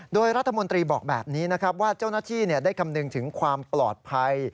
โดยรัฐมนตรีบอกแบบนี้นะครับว่าเจ้าหน้าที่ได้คำนึงถึงความปลอดภัย